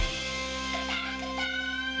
เมื่อบันทึก